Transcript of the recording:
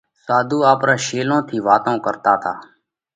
ساڌُو آپرون شيلون ٿِي واتون ڪرتا تا۔